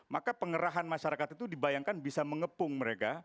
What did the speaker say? maka pengerahan masyarakat itu dibayangkan bisa mengepung mereka